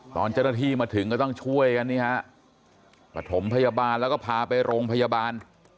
ตอนเจ้าหน้าที่มาถึงก็ต้องช่วยกันนี่ฮะประถมพยาบาลแล้วก็พาไปโรงพยาบาล